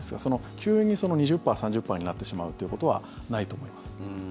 急に２０％、３０％になってしまうということはないと思います。